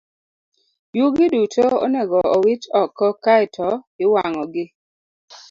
Yugi duto onego owit oko kae to iwang'ogi.